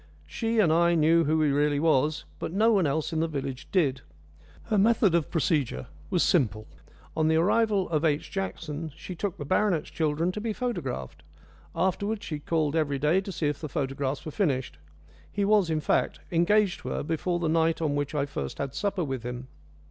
She and I knew who he really was; but no one else in the village did. Her method of procedure was simple. On the arrival of H. Jackson she took the baronet's children to be photographed; afterwards she called every day to see if the photographs were finished. He was, in fact, engaged to her before the night on which I first had supper with him.